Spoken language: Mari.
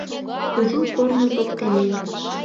Кужу корно воктенет